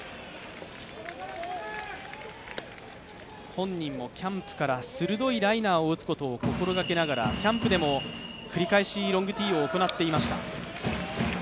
本人もキャンプから鋭いライナーを打つことを心がけながらキャンプでも繰り返しロングティーを行っていました。